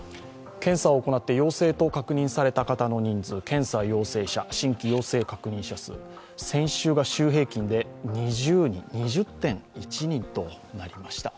検査を行って陽性と確認された方の人数検査陽性者、新規陽性確認者数、先週が週平均で２０．１人となりました。